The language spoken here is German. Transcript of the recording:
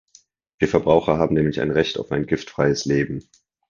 Wir Verbraucher haben nämlich ein Recht auf ein giftfreies Leben.